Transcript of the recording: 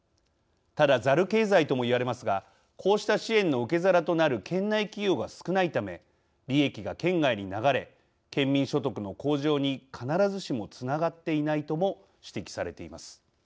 ただザル経済とも言われますがこうした支援の受け皿となる県内企業が少ないため利益が県外に流れ県民所得の向上に必ずしもつながっていないとも指摘されています。